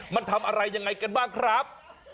มันทำอะไรยังไงกันบ้างครับ